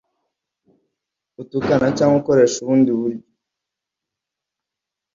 utukana cyangwa ukoresha ubundi buryo